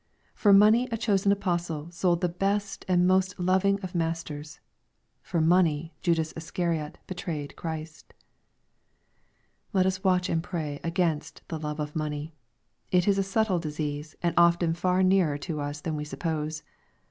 For money a chosen apostle sold the best and most loving of Masters 1 For money Judas Iscariot betrayed Christ 1 Let us watch and pray against the love of money. It is a subtle disease, and often far nearer to us than we suppose.